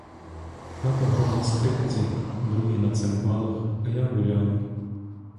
Тато грав на скрипці, другі на цимбалах, а я гуляла.